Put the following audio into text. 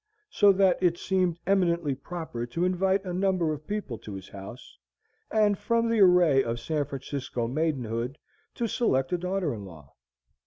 So that it seemed eminently proper to invite a number of people to his house, and, from the array of San Francisco maidenhood, to select a daughter in law.